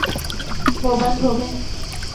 وہ بند ہو گئے۔